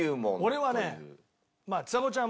俺はねちさ子ちゃん